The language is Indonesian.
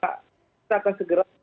kita akan segera